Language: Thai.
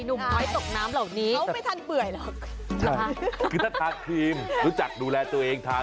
นิ้วเท้ากับนิ้วมือเปื่อยคุณเคยแช่น้ำนาน